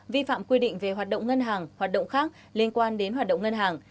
vi phạm quy định về hoạt động ngân hàng hoạt động khác liên quan đến hoạt động ngân hàng